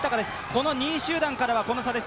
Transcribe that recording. この２位集団からは、この差です。